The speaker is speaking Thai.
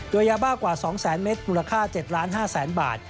ด้วยยาบ้ากว่า๒แสนเมตรมูลค่า๗๕๐๐บาท